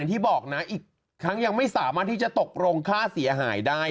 ที่บอกนะอีกครั้งยังไม่สามารถที่จะตกลงค่าเสียหายได้